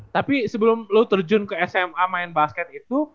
tapi sebelum lo terjun ke sma main basket itu